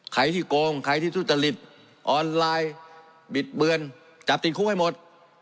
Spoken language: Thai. ใครที่โกงใครที่ทุจริตออนไลน์บิดเบือนจับติดคุกให้หมด